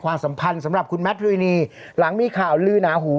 สัมพันธ์สำหรับคุณแมทรุยนีหลังมีข่าวลือหนาหู